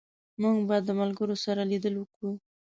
موږ به د ملګرو سره لیدل وکړو